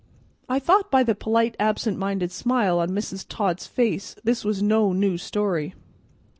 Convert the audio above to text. I thought by the polite absent minded smile on Mrs. Todd's face this was no new story.